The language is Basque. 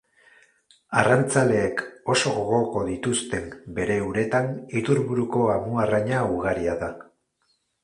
Arrantzaleek oso gogoko dituzten bere uretan iturburuko amuarraina ugaria da.